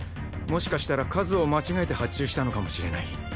もしかしたら数を間違えて発注したのかもしれない。